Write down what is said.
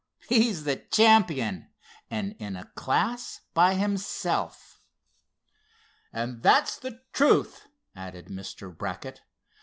He's the champion, and in a class by himself." "And that's the truth," added Mr. Brackett.